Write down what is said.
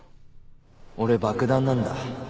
俺爆弾なんだ。